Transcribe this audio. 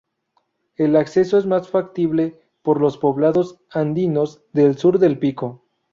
El acceso es más factible por los poblados andinos del sur del pico.